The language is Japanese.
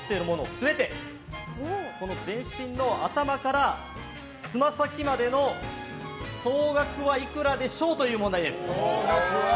全て、全身の頭からつま先までの総額はいくらでしょう？という問題です。